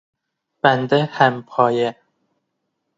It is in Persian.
بند همپایه